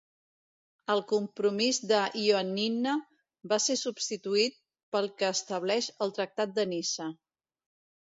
El compromís de Ioannina va ser substituït pel que estableix el tractat de Niça.